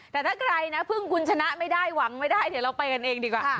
แต่ถ้าใครนะพึ่งคุณชนะไม่ได้หวังไม่ได้เดี๋ยวเราไปกันเองดีกว่า